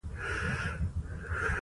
د افغانستان طبیعت له کلي څخه جوړ شوی دی.